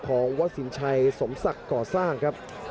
ของวัดสินชัยสมศักดิ์ก่อสร้างครับ